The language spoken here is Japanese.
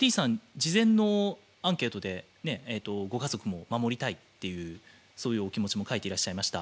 事前のアンケートでご家族も守りたいっていうそういうお気持ちも書いていらっしゃいました。